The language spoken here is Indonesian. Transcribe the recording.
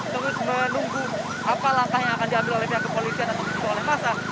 terus menunggu apa langkah yang akan diambil oleh pihak kepolisian atau diambil oleh masa